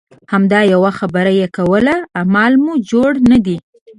همدا یوه خبره یې کوله اعمال مو جوړ نه دي.